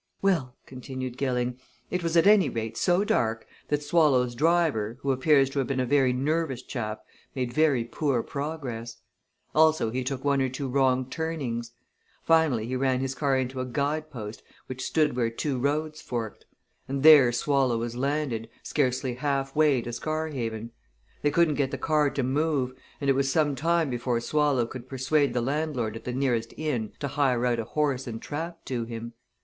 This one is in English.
"Well," continued Gilling, "it was at any rate so dark that Swallow's driver, who appears to have been a very nervous chap, made very poor progress. Also he took one or two wrong turnings. Finally he ran his car into a guide post which stood where two roads forked and there Swallow was landed, scarcely halfway to Scarhaven. They couldn't get the car to move, and it was some time before Swallow could persuade the landlord at the nearest inn to hire out a horse and trap to him.